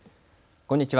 こんにちは。